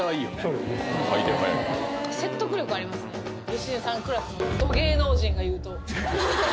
良純さんクラスのド芸能人が言うと！